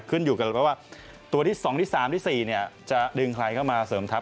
ขึ้นอยู่กับว่าตัวที่๒ที่๓ที่๔จะดึงใครเข้ามาเสริมทัพ